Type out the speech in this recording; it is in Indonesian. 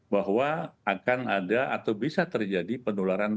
bahwa akan ada atau bisa terjadi kemungkinan yang berbeda